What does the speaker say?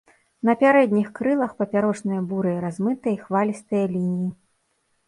На пярэдніх крылах папярочныя бурыя размытыя і хвалістыя лініі.